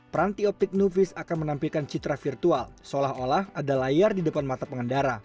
peranti optik novis akan menampilkan citra virtual seolah olah ada layar di depan mata pengendara